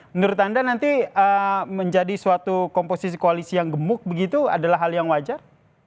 menurut anda nanti menjadi suatu komposisi koalisi yang gemuk begitu adalah hal yang wajar